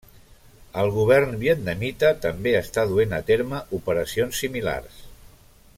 El govern vietnamita també està duent a terme operacions similars.